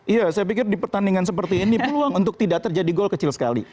iya saya pikir di pertandingan seperti ini peluang untuk tidak terjadi gol kecil sekali